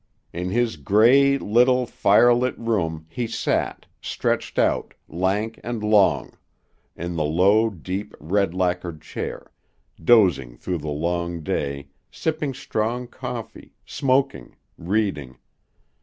In his gay, little, firelit room, he sat, stretched out, lank and long, in the low, deep, red lacquered chair, dozing through the long day, sipping strong coffee, smoking, reading.